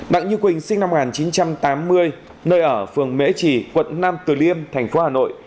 đặng như quỳnh sinh năm một nghìn chín trăm tám mươi nơi ở phường mễ trì quận nam từ liêm thành phố hà nội